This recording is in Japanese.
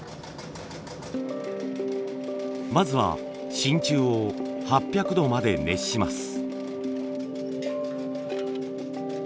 まずは真鍮を８００度まで熱します。